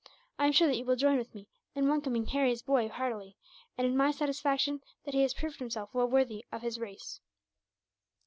I am sure that you will join with me in welcoming Harry's boy heartily, and in my satisfaction that he has proved himself well worthy of his race."